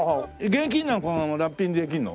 現金なんかもラッピングできるの？